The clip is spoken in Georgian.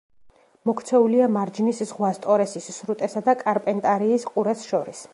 მოქცეულია მარჯნის ზღვას, ტორესის სრუტესა და კარპენტარიის ყურეს შორის.